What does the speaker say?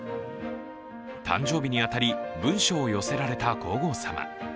誕生日に当たり、文書を寄せられた皇后さま。